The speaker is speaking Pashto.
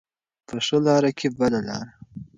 په ښه لاره که بده لاره.